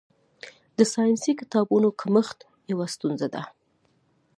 د ساینسي کتابونو کمښت یوه ستونزه ده.